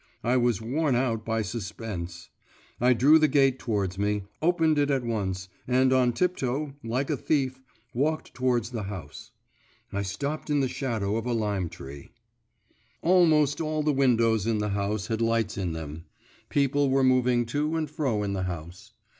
I was worn out by suspense; I drew the gate towards me, opened it at once, and on tiptoe, like a thief, walked towards the house. I stopped in the shadow of a lime tree. Almost all the windows in the house had lights in them; people were moving to and fro in the house.